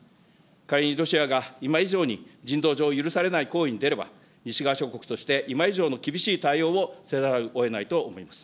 仮にロシアが今以上に、人道上許されない行為に出れば、西側諸国として今以上の厳しい対応をせざるをえないと思います。